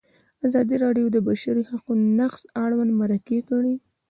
ازادي راډیو د د بشري حقونو نقض اړوند مرکې کړي.